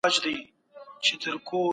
ځان په هكله څه ويلاى نه سم